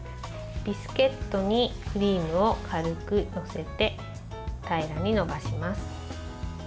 ビスケットにクリームを軽く載せて平らに伸ばします。